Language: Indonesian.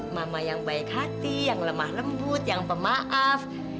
mama yang baik hati yang lemah lembut yang pemaaf